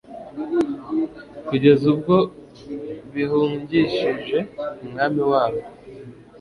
kugeza ubwo bihungishije umwami warwo